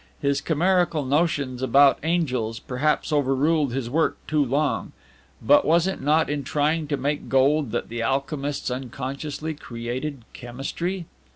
His chimerical notions about angels perhaps overruled his work too long; but was it not in trying to make gold that the alchemists unconsciously created chemistry?